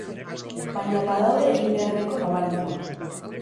Baina badaude egin beharreko nabardurak.